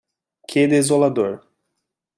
Que desolador